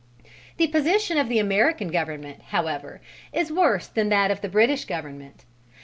The position of the American Government, however, is worse than that of the British Government.